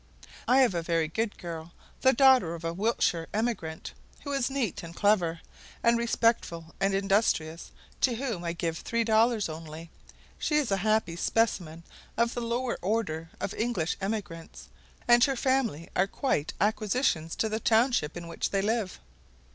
I have a very good girl, the daughter of a Wiltshire emigrant, who is neat and clever, and respectful and industrious, to whom I give three dollars only: she is a happy specimen of the lower order of English emigrants, and her family are quite acquisitions to the township in which they live.